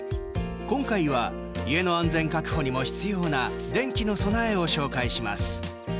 今回は家の安全確保にも必要な電気の備えを紹介します。